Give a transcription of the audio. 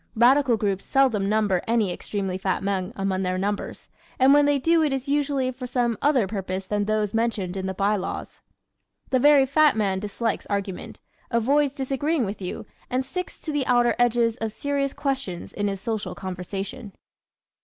Radical groups seldom number any extremely fat men among their members, and when they do it is usually for some other purpose than those mentioned in the by laws. The very fat man dislikes argument, avoids disagreeing with you and sticks to the outer edges of serious questions in his social conversation.